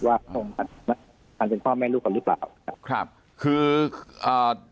ว่าความสำคัญเป็นพ่อแม่ลูกหรือเปล่าครับคือเอ่อ